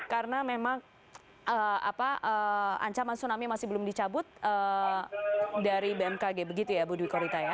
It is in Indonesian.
karena memang ancaman tsunami masih belum dicabut dari bmkg begitu ya bu dwi khorita